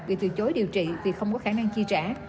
bị từ chối điều trị vì không có khả năng chi trả